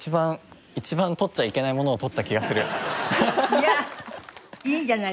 いやいいんじゃないです。